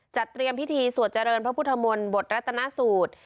เตรียมพิธีสวดเจริญพระพุทธมนตรัตนสูตร